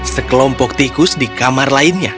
sekelompok tikus di kamar lainnya